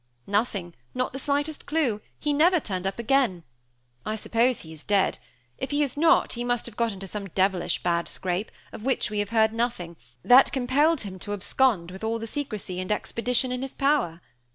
"Nothing not the slightest clue he never turned up again. I suppose he is dead; if he is not, he must have got into some devilish bad scrape, of which we have heard nothing, that compelled him to abscond with all the secrecy and expedition in his power.